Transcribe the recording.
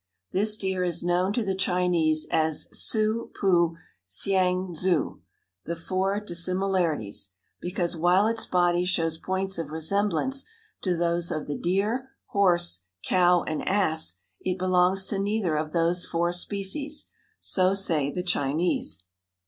This deer is known to the Chinese as the ssu pu hsiang tzu, "the four dissimilarities," because, while its body shows points of resemblance to those of the deer, horse, cow and ass, it belongs to neither of those four species so say the Chinese.